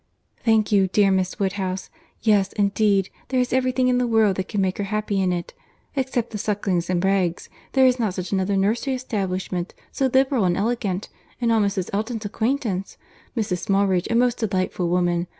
"Thank you, dear Miss Woodhouse. Yes, indeed, there is every thing in the world that can make her happy in it. Except the Sucklings and Bragges, there is not such another nursery establishment, so liberal and elegant, in all Mrs. Elton's acquaintance. Mrs. Smallridge, a most delightful woman!